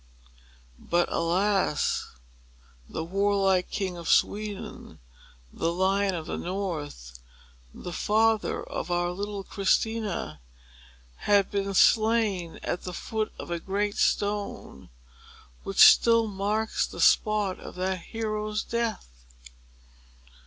But alas! the warlike king of Sweden, the Lion of the North, the father of our little Christina,—had been slain at the foot of a great stone, which still marks the spot of that hero's death.